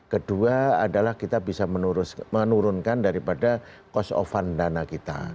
kedua adalah kita bisa menurunkan daripada cost of fund dana kita